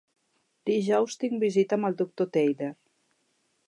Dijous tinc visita amb el doctor Theiler.